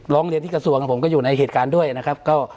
ร้องเรียนที่กระทรวงผมก็อยู่ในเหตุการณ์ด้วยนะครับ